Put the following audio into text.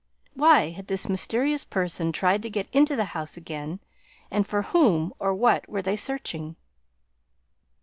Why had this mysterious person tried to get into the house again, and for whom or what were they searching?